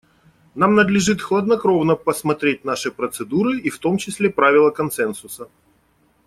Нам надлежит хладнокровно посмотреть наши процедуры, и в том числе правило консенсуса.